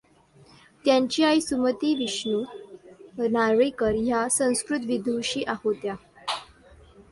त्यांची आई सुमती विष्णू नारळीकर ह्या संस्कृत विदुषी होत्या.